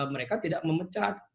mereka tidak memecah